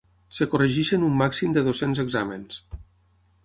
Es corregeixen un màxim de dos-cents exàmens.